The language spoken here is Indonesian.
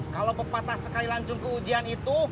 kalau pepatah sekali lanjut ke ujian itu